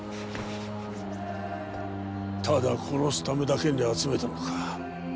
ただ殺すためだけに集めたのか。